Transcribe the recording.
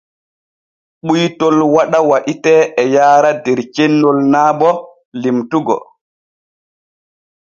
Ɓuytol waɗa waɗitee e yaara der cennol naa bo limtugo.